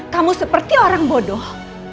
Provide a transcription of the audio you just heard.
kamu seperti orang bodoh